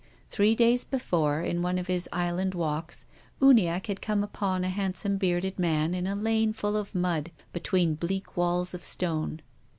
Three days before, in one of his island walks, Uniacke had come upon a handsome bearded man in a lane full of mud, between bleak walls of stone.